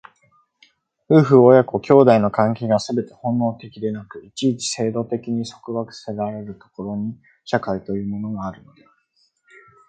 夫婦親子兄弟の関係がすべて本能的でなく、一々制度的に束縛せられる所に、社会というものがあるのである。